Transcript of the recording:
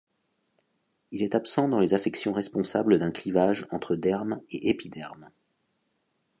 Il est absent dans les affections responsables d'un clivage entre derme et épiderme.